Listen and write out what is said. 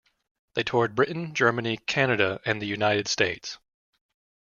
They toured Britain, Germany, Canada and the United States.